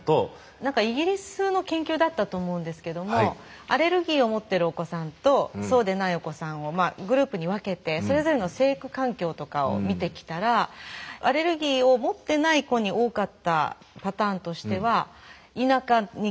なんかイギリスの研究だったと思うんですけどもアレルギーを持ってるお子さんとそうでないお子さんをグループに分けてそれぞれの生育環境とかを見てきたらそれは雑に育てたってことですかね？